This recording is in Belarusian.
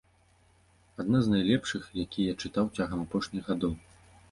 Адна з найлепшых, якія я чытаў цягам апошніх гадоў.